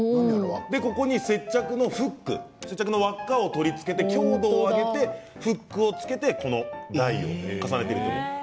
ここに接着のフック輪っかを取りつけて強度を上げてフックをつけて台を重ねています。